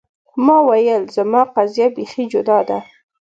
ما ویل زما قضیه بیخي جدا ده.